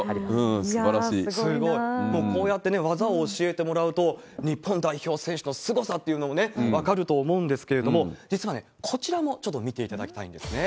こうやってね、技を教えてもらうと、日本代表選手のすごさというのも分かると思うんですけれども、実はね、こちらもちょっと見ていただきたいんですね。